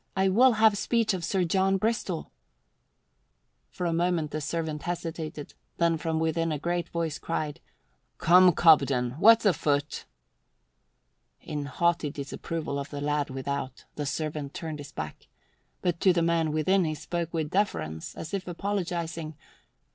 I will have speech of Sir John Bristol." For a moment the servant hesitated, then from within a great voice cried, "Come, Cobden, what's afoot?" In haughty disapproval of the lad without, the servant turned his back, but to the man within he spoke with deference, as if apologizing.